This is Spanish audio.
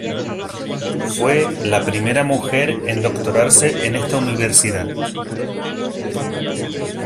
Fue la primera mujer en doctorarse en esta universidad.